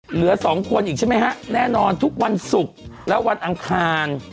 เหลือสองคนอีกใช่ไหมฮะแน่นอนทุกวันศุกร์และวันอังคาร